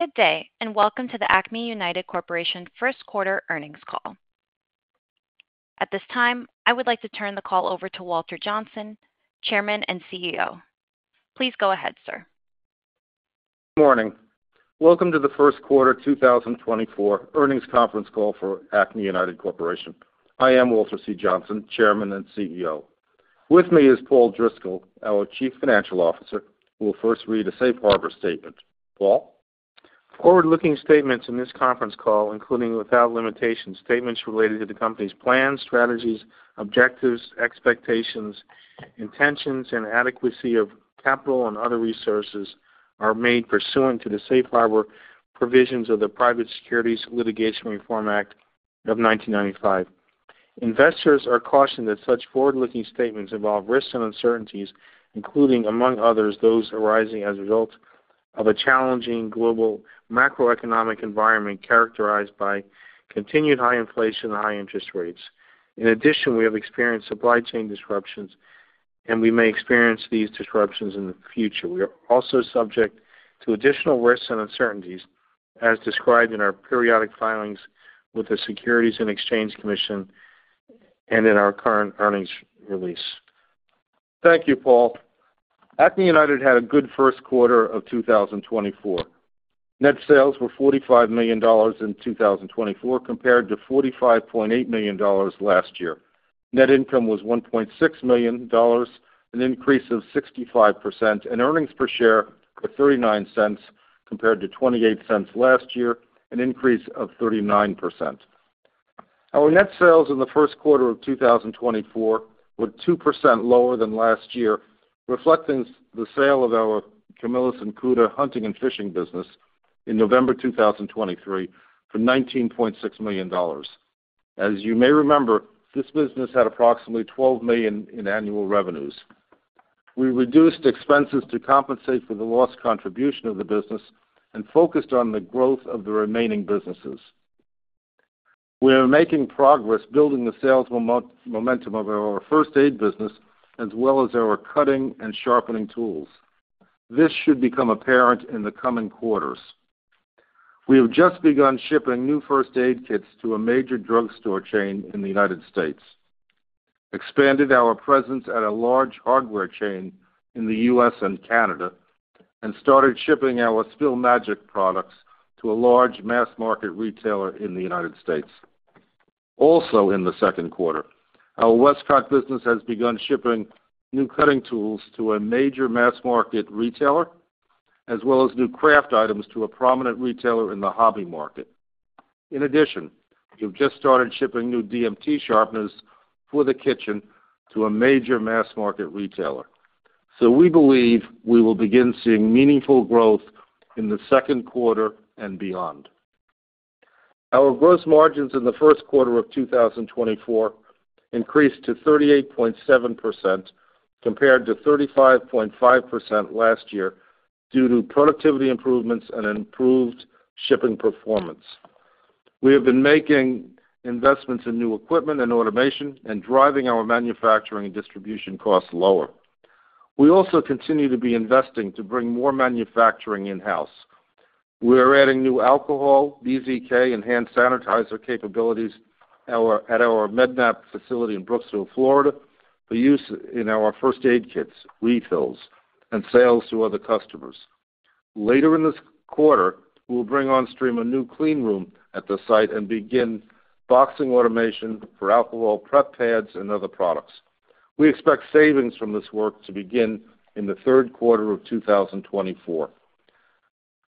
Good day and welcome to the Acme United Corporation first-quarter earnings call. At this time, I would like to turn the call over to Walter Johnsen, Chairman and CEO. Please go ahead, sir. Good morning. Welcome to the first-quarter 2024 earnings conference call for Acme United Corporation. I am Walter C. Johnsen, Chairman and CEO. With me is Paul Driscoll, our Chief Financial Officer, who will first read a Safe Harbor Statement. Paul? Forward-looking statements in this conference call, including without limitation, statements related to the company's plans, strategies, objectives, expectations, intentions, and adequacy of capital and other resources are made pursuant to the Safe Harbor provisions of the Private Securities Litigation Reform Act of 1995. Investors are cautioned that such forward-looking statements involve risks and uncertainties, including, among others, those arising as a result of a challenging global macroeconomic environment characterized by continued high inflation and high interest rates. In addition, we have experienced supply chain disruptions, and we may experience these disruptions in the future. We are also subject to additional risks and uncertainties as described in our periodic filings with the Securities and Exchange Commission and in our current earnings release. Thank you, Paul. Acme United had a good first quarter of 2024. Net sales were $45 million in 2024 compared to $45.8 million last year. Net income was $1.6 million, an increase of 65%, and earnings per share were $0.39 compared to $0.28 last year, an increase of 39%. Our net sales in the first quarter of 2024 were 2% lower than last year, reflecting the sale of our Camillus and Cuda hunting and fishing business in November 2023 for $19.6 million. As you may remember, this business had approximately $12 million in annual revenues. We reduced expenses to compensate for the lost contribution of the business and focused on the growth of the remaining businesses. We are making progress building the sales momentum of our first-aid business as well as our cutting and sharpening tools. This should become apparent in the coming quarters. We have just begun shipping new first-aid kits to a major drugstore chain in the United States, expanded our presence at a large hardware chain in the U.S. and Canada, and started shipping our Spill Magic products to a large mass-market retailer in the United States. Also in the second quarter, our Westcott business has begun shipping new cutting tools to a major mass-market retailer as well as new craft items to a prominent retailer in the hobby market. In addition, we have just started shipping new DMT sharpeners for the kitchen to a major mass-market retailer. So we believe we will begin seeing meaningful growth in the second quarter and beyond. Our gross margins in the first quarter of 2024 increased to 38.7% compared to 35.5% last year due to productivity improvements and improved shipping performance. We have been making investments in new equipment and automation and driving our manufacturing and distribution costs lower. We also continue to be investing to bring more manufacturing in-house. We are adding new alcohol, BZK, and hand sanitizer capabilities at our Med-Nap facility in Brooksville, Florida, for use in our first-aid kits, refills, and sales to other customers. Later in this quarter, we'll bring on stream a new clean room at the site and begin boxing automation for alcohol prep pads and other products. We expect savings from this work to begin in the third quarter of 2024.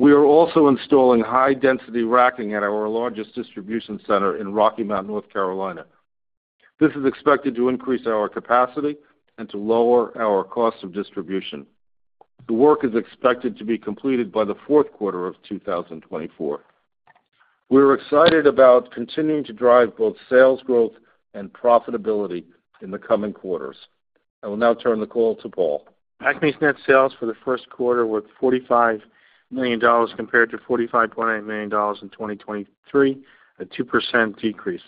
We are also installing high-density racking at our largest distribution center in Rocky Mount, North Carolina. This is expected to increase our capacity and to lower our cost of distribution. The work is expected to be completed by the fourth quarter of 2024. We are excited about continuing to drive both sales growth and profitability in the coming quarters. I will now turn the call to Paul. Acme's net sales for the first quarter were $45 million compared to $45.8 million in 2023, a 2% decrease.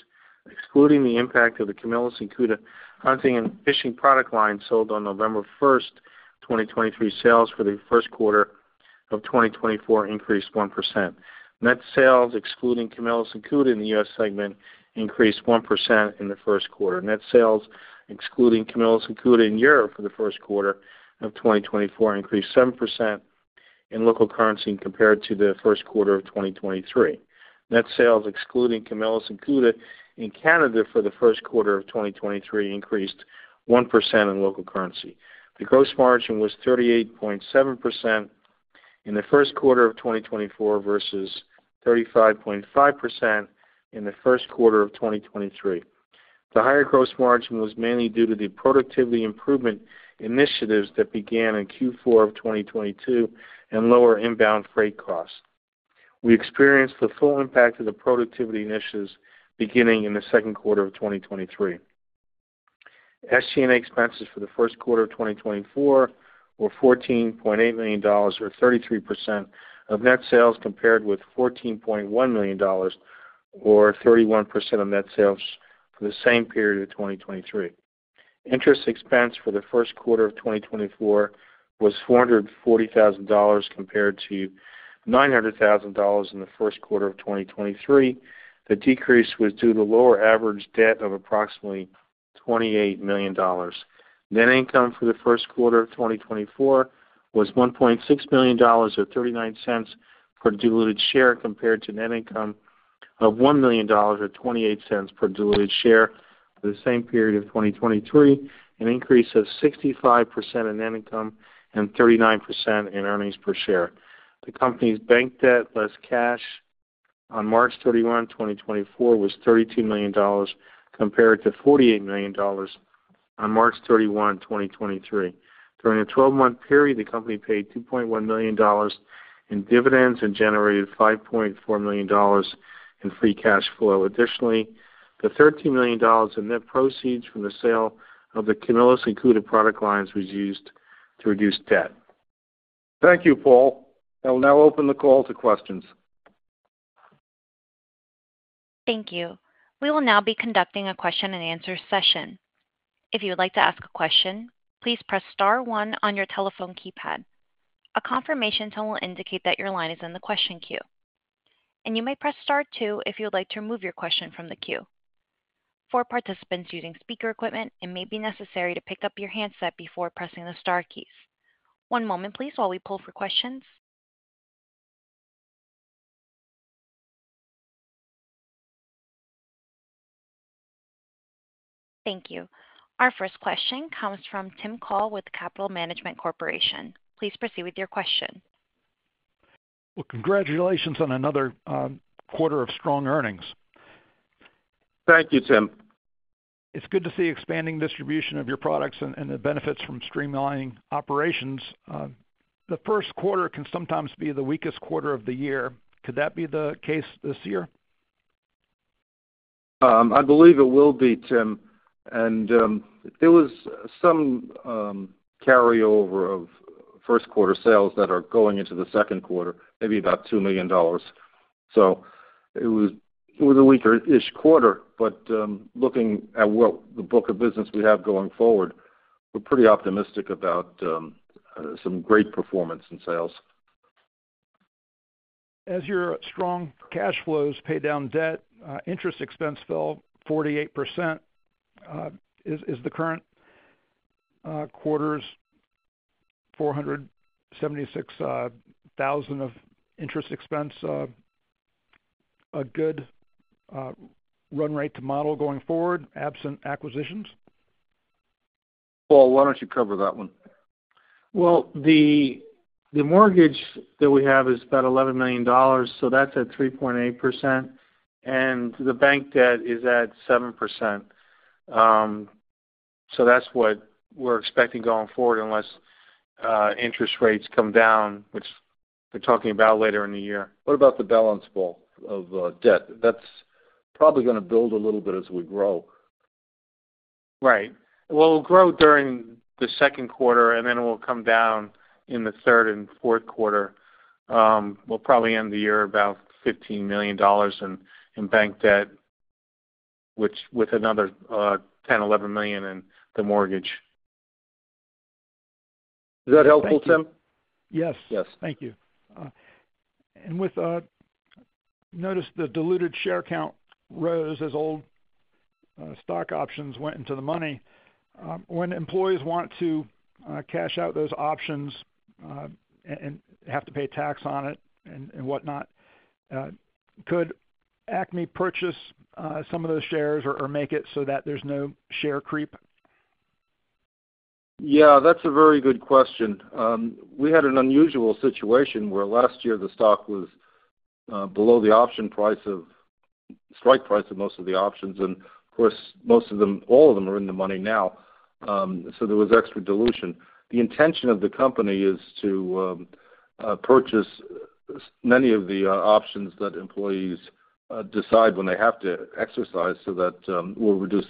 Excluding the impact of the Camillus and Cuda hunting and fishing product line sold on November 1st, 2023, sales for the first quarter of 2024 increased 1%. Net sales excluding Camillus and Cuda in the U.S. segment increased 1% in the first quarter. Net sales excluding Camillus and Cuda in Europe for the first quarter of 2024 increased 7% in local currency compared to the first quarter of 2023. Net sales excluding Camillus and Cuda in Canada for the first quarter of 2023 increased 1% in local currency. The gross margin was 38.7% in the first quarter of 2024 versus 35.5% in the first quarter of 2023. The higher gross margin was mainly due to the productivity improvement initiatives that began in Q4 of 2022 and lower inbound freight costs. We experienced the full impact of the productivity initiatives beginning in the second quarter of 2023. SG&A expenses for the first quarter of 2024 were $14.8 million or 33% of net sales compared with $14.1 million or 31% of net sales for the same period of 2023. Interest expense for the first quarter of 2024 was $440,000 compared to $900,000 in the first quarter of 2023. The decrease was due to the lower average debt of approximately $28 million. Net income for the first quarter of 2024 was $1.6 million or $0.39 per diluted share compared to net income of $1 million or $0.28 per diluted share for the same period of 2023, an increase of 65% in net income and 39% in earnings per share. The company's bank debt less cash on March 31, 2024, was $32 million compared to $48 million on March 31, 2023. During a 12-month period, the company paid $2.1 million in dividends and generated $5.4 million in free cash flow. Additionally, the $13 million in net proceeds from the sale of the Camillus and Cuda product lines was used to reduce debt. Thank you, Paul. I will now open the call to questions. Thank you. We will now be conducting a question-and-answer session. If you would like to ask a question, please press star one on your telephone keypad. A confirmation tone will indicate that your line is in the question queue. You may press star two if you would like to remove your question from the queue. For participants using speaker equipment, it may be necessary to pick up your handset before pressing the star keys. One moment, please, while we pull for questions. Thank you. Our first question comes from Tim Call with Capital Management Corporation. Please proceed with your question. Well, congratulations on another quarter of strong earnings. Thank you, Tim. It's good to see expanding distribution of your products and the benefits from streamlining operations. The first quarter can sometimes be the weakest quarter of the year. Could that be the case this year? I believe it will be, Tim. There was some carryover of first-quarter sales that are going into the second quarter, maybe about $2 million. It was a weaker-ish quarter, but looking at the book of business we have going forward, we're pretty optimistic about some great performance in sales. As your strong cash flows pay down debt, interest expense fell 48%. Is the current quarter's $476,000 of interest expense a good run rate to model going forward, absent acquisitions? Paul, why don't you cover that one? Well, the mortgage that we have is about $11 million, so that's at 3.8%. And the bank debt is at 7%. So that's what we're expecting going forward unless interest rates come down, which we're talking about later in the year. What about the balance, Paul, of debt? That's probably going to build a little bit as we grow. Right. Well, it'll grow during the second quarter, and then it will come down in the third and fourth quarter. We'll probably end the year about $15 million in bank debt with another $10-$11 million in the mortgage. Is that helpful, Tim? Yes. Yes. Thank you. And notice the diluted share count rose as old stock options went into the money. When employees want to cash out those options and have to pay tax on it and whatnot, could Acme purchase some of those shares or make it so that there's no share creep? Yeah, that's a very good question. We had an unusual situation where last year the stock was below the strike price of most of the options, and of course, all of them are in the money now, so there was extra dilution. The intention of the company is to purchase many of the options that employees decide when they have to exercise so that we'll reduce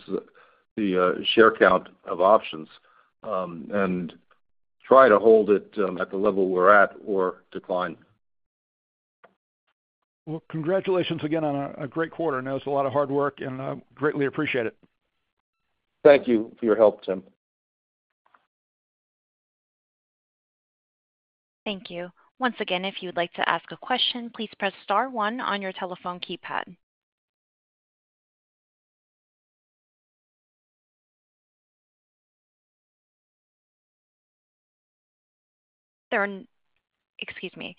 the share count of options and try to hold it at the level we're at or decline. Well, congratulations again on a great quarter. I know it's a lot of hard work, and I greatly appreciate it. Thank you for your help, Tim. Thank you. Once again, if you would like to ask a question, please press star 1 on your telephone keypad. Excuse me.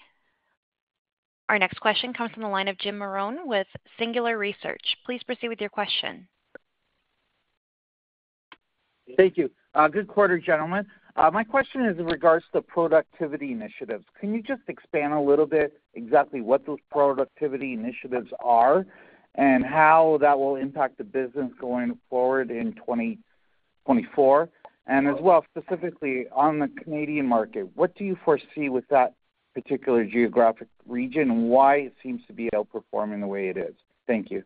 Our next question comes from the line of Jim Marrone with Singular Research. Please proceed with your question. Thank you. Good quarter, gentlemen. My question is in regards to productivity initiatives. Can you just expand a little bit exactly what those productivity initiatives are and how that will impact the business going forward in 2024, and as well specifically on the Canadian market? What do you foresee with that particular geographic region and why it seems to be outperforming the way it is? Thank you.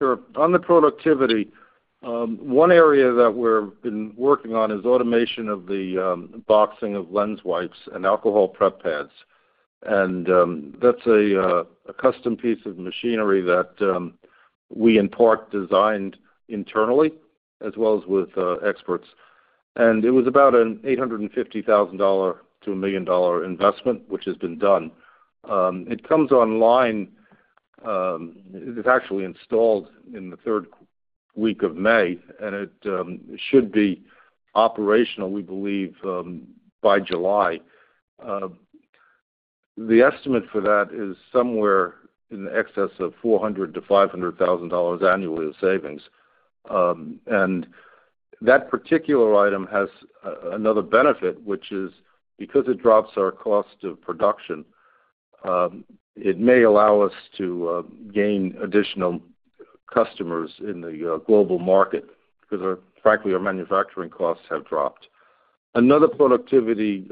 Sure. On the productivity, one area that we've been working on is automation of the boxing of lens wipes and alcohol prep pads. And that's a custom piece of machinery that we in part designed internally as well as with experts. And it was about a $850,000-$1 million investment, which has been done. It comes online. It's actually installed in the third week of May, and it should be operational, we believe, by July. The estimate for that is somewhere in the excess of $400,000-$500,000 annually of savings. And that particular item has another benefit, which is because it drops our cost of production, it may allow us to gain additional customers in the global market because, frankly, our manufacturing costs have dropped. Another productivity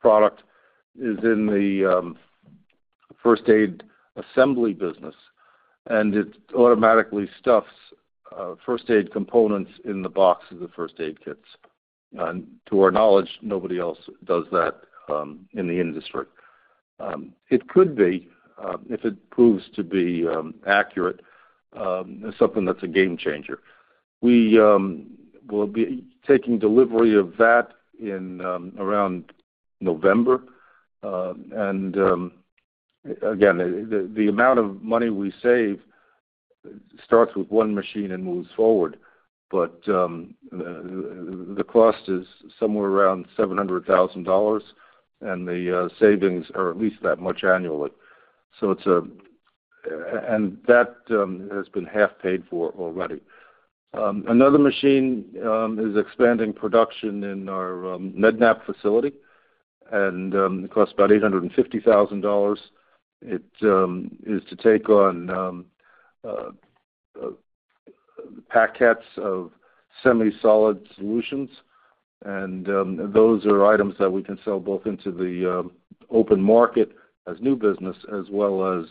product is in the first-aid assembly business, and it automatically stuffs first-aid components in the boxes of first-aid kits. To our knowledge, nobody else does that in the industry. It could be, if it proves to be accurate, something that's a game changer. We will be taking delivery of that around November. Again, the amount of money we save starts with one machine and moves forward, but the cost is somewhere around $700,000, and the savings are at least that much annually. That has been half paid for already. Another machine is expanding production in our Med-Nap facility. It costs about $850,000. It is to take on packets of semi-solid solutions. Those are items that we can sell both into the open market as new business as well as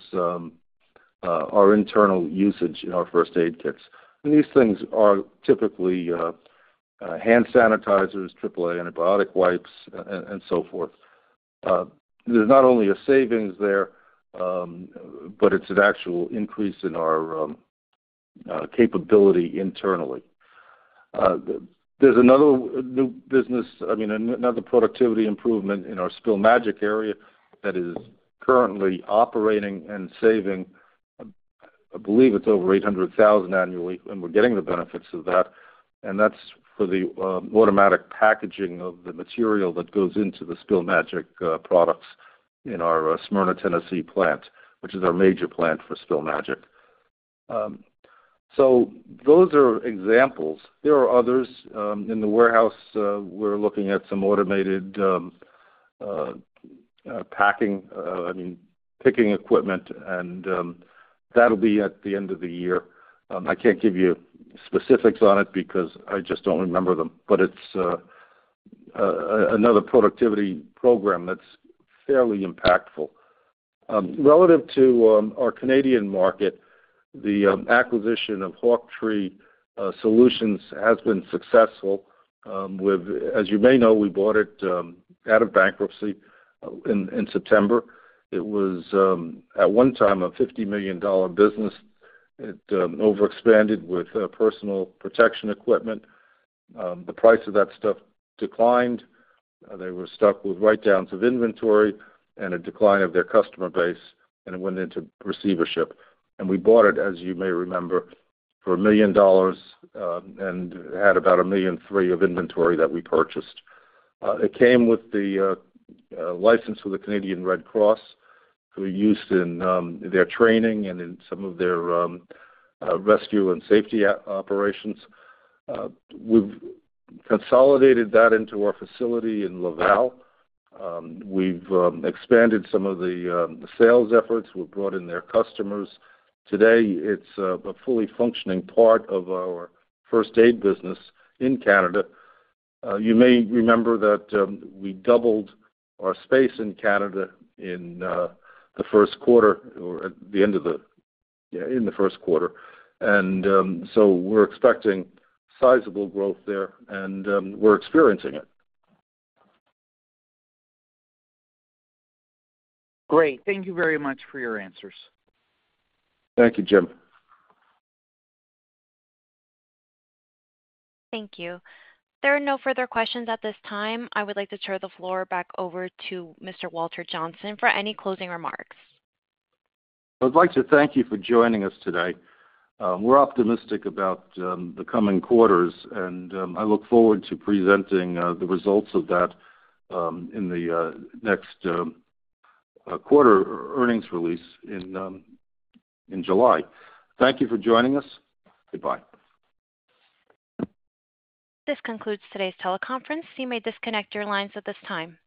our internal usage in our first-aid kits. These things are typically hand sanitizers, AAA antibiotic wipes, and so forth. There's not only a savings there, but it's an actual increase in our capability internally. There's another new business I mean, another productivity improvement in our Spill Magic area that is currently operating and saving, I believe it's over $800,000 annually, and we're getting the benefits of that. That's for the automatic packaging of the material that goes into the Spill Magic products in our Smyrna, Tennessee plant, which is our major plant for Spill Magic. Those are examples. There are others. In the warehouse, we're looking at some automated packing I mean, picking equipment, and that'll be at the end of the year. I can't give you specifics on it because I just don't remember them, but it's another productivity program that's fairly impactful. Relative to our Canadian market, the acquisition of Hawktree Solutions has been successful. As you may know, we bought it out of bankruptcy in September. It was at one time a $50 million business. It overexpanded with personal protection equipment. The price of that stuff declined. They were stuck with write-downs of inventory and a decline of their customer base, and it went into receivership. We bought it, as you may remember, for $1 million and had about $1.03 million of inventory that we purchased. It came with the license for the Canadian Red Cross, who are used in their training and in some of their rescue and safety operations. We've consolidated that into our facility in Laval. We've expanded some of the sales efforts. We've brought in their customers. Today, it's a fully functioning part of our first-aid business in Canada. You may remember that we doubled our space in Canada in the first quarter or at the end of the year, in the first quarter. So we're expecting sizable growth there, and we're experiencing it. Great. Thank you very much for your answers. Thank you, Jim. Thank you. There are no further questions at this time. I would like to turn the floor back over to Mr. Walter Johnsen for any closing remarks. I would like to thank you for joining us today. We're optimistic about the coming quarters, and I look forward to presenting the results of that in the next quarter earnings release in July. Thank you for joining us. Goodbye. This concludes today's teleconference. You may disconnect your lines at this time.